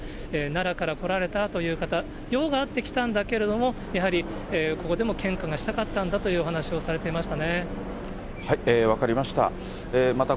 奈良から来られたという方、用があって来たんだけれども、やはりここでも献花がしたかったん分かりました。